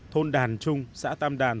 thôn đàn trung xã tam đàn